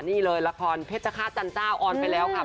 นี่เลยละครเพชรฆาตจันเจ้าออนไปแล้วค่ะ